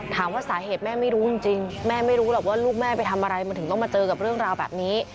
ถามว่าสาเหตุแม่ไม่รู้จริงแม่ไม่รู้หรอกว่าลูกแม่ไปทำอะไรมันถึงต้องมาเจอกับเรื่องราวแบบนี้